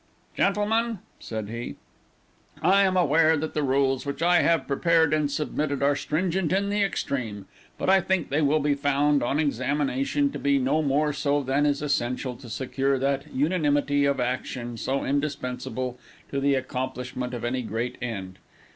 "Gentleman," said he, "I am aware that the rules, which I have prepared and submitted, are stringent in the extreme, but I think they will be found, on examination, to be no more so than is essential to secure that unanimity of action so indispensable to the accomplishment of any great end.